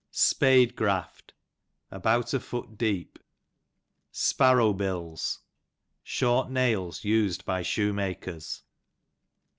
Spade graft, about afoot deep. Sparrow bills, short nails used by shoemakers.